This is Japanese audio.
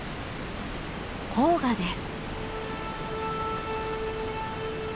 黄河です。